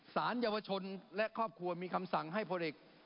สารเยาวชนและครอบครัวมีคำสั่งให้พลเอก